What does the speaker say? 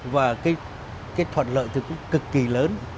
và cái thuận lợi thì cũng cực kỳ lớn